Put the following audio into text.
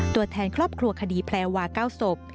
ตัวแทนครอบครัวคดีแพลวา๙ศพ